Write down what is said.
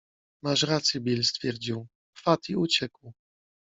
- Masz rację, Bill - stwierdził. - Fatty uciekł.